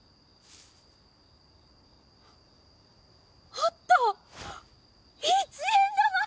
あった一円玉。